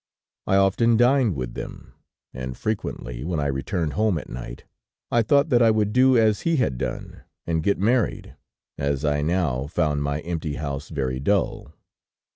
I often dined with them, and frequently, when I returned home at night, I thought that I would do as he had done, and get married, as I now found my empty house very dull.